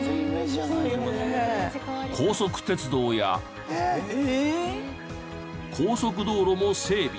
高速鉄道や高速道路も整備。